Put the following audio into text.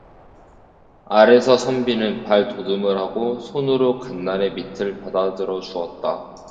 아래서 선비는 발돋움을 하고 손으로 간난의 밑을 받들어 주었다.